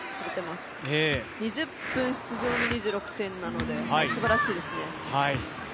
２０分出場の２６点なので、すばらしいですね。